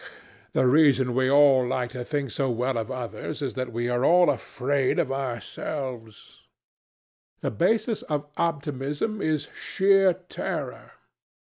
"The reason we all like to think so well of others is that we are all afraid for ourselves. The basis of optimism is sheer terror.